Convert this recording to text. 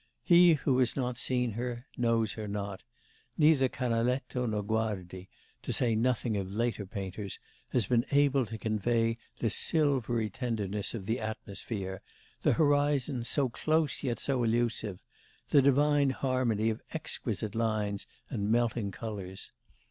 He who has not seen her, knows her not; neither Canaletto nor Guardi (to say nothing of later painters) has been able to convey the silvery tenderness of the atmosphere, the horizon so close, yet so elusive, the divine harmony of exquisite lines and melting colours.